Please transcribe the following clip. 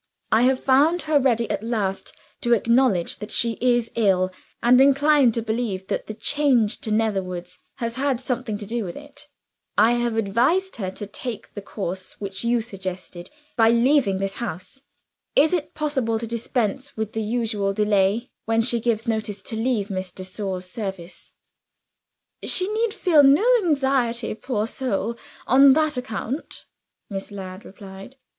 I have found her ready at last to acknowledge that she is ill, and inclined to believe that the change to Netherwoods has had something to do with it. I have advised her to take the course which you suggested, by leaving this house. Is it possible to dispense with the usual delay, when she gives notice to leave Miss de Sor's service?" "She need feel no anxiety, poor soul, on that account," Miss Ladd replied.